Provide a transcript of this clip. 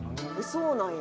「そうなん？